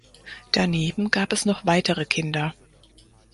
Daneben gab es noch weitere Kinder.